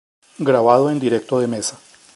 Grabado en directo de mesa.